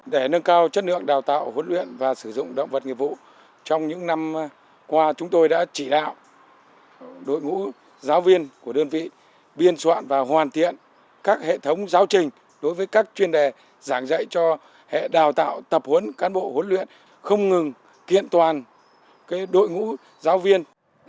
để nâng cao chất lượng đào tạo huấn luyện và sử dụng động vật nghiệp vụ trong những năm qua chúng tôi đã chỉ đạo đội ngũ giáo viên của đơn vị biên soạn và hoàn thiện các hệ thống giáo trình đối với các chuyên đề giảng dạy cho hệ đào tạo tập huấn cán bộ huấn luyện không ngừng kiện toàn đội ngũ giáo viên